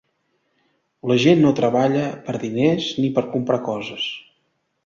La gent no treballa per diners ni per comprar coses.